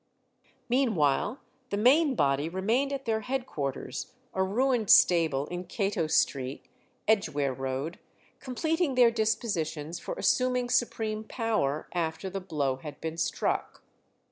Meanwhile the main body remained at their headquarters, a ruined stable in Cato Street, Edgeware Road, completing their dispositions for assuming supreme power after the blow had been struck.